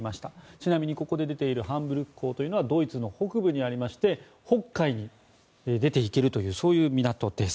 ちなみにここで出ているハンブルク港というのはドイツの北部にありまして北海に出ていけるというそういう港です。